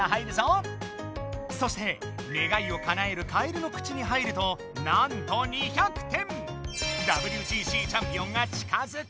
そして願いをかなえるカエルの口に入るとなんと２００点！